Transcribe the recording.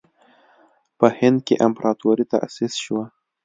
په هند کې امپراطوري تأسیس شوه.